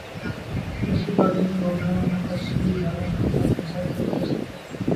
اے C گاڑیوں میں گھومنے والوں کا سوئی دھاگا کی خاطر سائیکل پر سفر